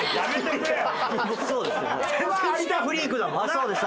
そうです。